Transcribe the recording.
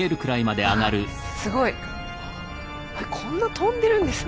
すごいこんな跳んでるんですね